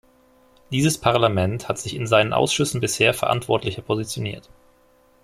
Dieses Parlament hat sich in seinen Ausschüssen bisher verantwortlicher positioniert.